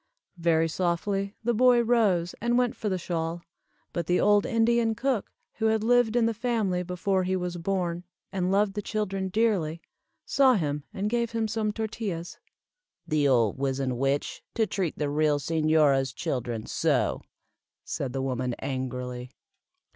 Very softly the boy rose and went for the shawl, but the old Indian cook, who had lived in the family before he was born, and loved the children dearly, saw him and gave him some tortillas. "The old wizzen witch, to treat the real señora's children so!" said the woman, angrily.